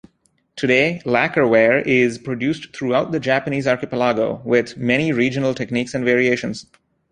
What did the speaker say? Today, lacquerware is produced throughout the Japanese archipelago, with many regional techniques and variations.